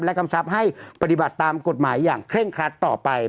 กำชับให้ปฏิบัติตามกฎหมายอย่างเคร่งครัดต่อไป